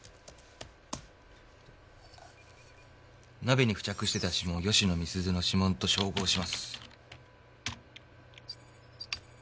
鍋に付着してた指紋を吉野美鈴の指紋と照合します。